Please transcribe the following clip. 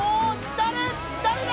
誰だ！？